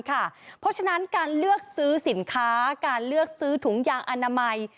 เพราะฉะนั้นการเลือกซื้อสินค้าการเลือกซื้อถุงยางอนามัย